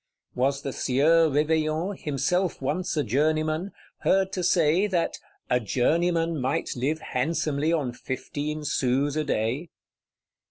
Was the Sieur Réveillon, himself once a journeyman, heard to say that "a journeyman might live handsomely on fifteen sous a day?"